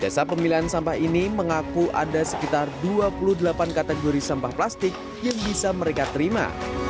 jasa pemilihan sampah ini mengaku ada sekitar dua puluh delapan kategori sampah plastik yang bisa mereka terima